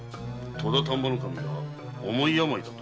戸田丹波守が重い病だと？